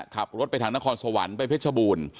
ขับรถไปทางนครสวรรค์ไปเพชรบูรณ์